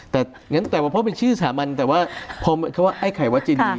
แต่งั้นแต่ว่าเพราะเป็นชื่อสามัญแต่ว่าพอเขาว่าไอ้ไข่วัดเจดี